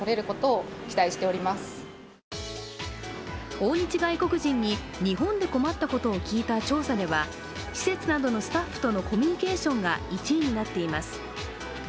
訪日外国人に日本で困ったことを聞いた調査では施設などのスタッフとのコミュニケーションが１位になっています。